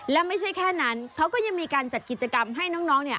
และไม่ใช่แค่นั้นเขาก็ยังมีการจัดกิจกรรมให้น้องเนี่ย